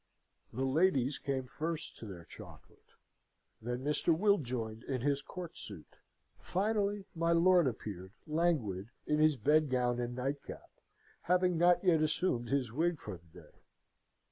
The ladies came first to their chocolate: them Mr. Will joined in his court suit; finally, my lord appeared, languid, in his bedgown and nightcap, having not yet assumed his wig for the day.